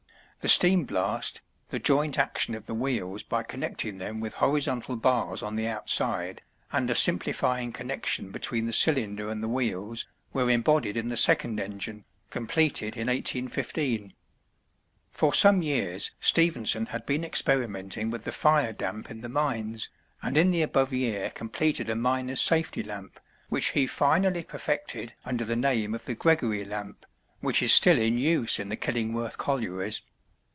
The steam blast, the joint action of the wheels by connecting them with horizontal bars on the outside, and a simplifying connection between the cylinder and the wheels, were embodied in the second engine, completed in 1815. For some years Stephenson had been experimenting with the fire damp in the mines, and in the above year completed a miner's safety lamp, which he finally perfected under the name of the "Gregory Lamp," which is still in use in the Killingworth collieries.